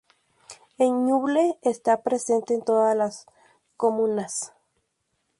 En Ñuble está presente en todas las comunas.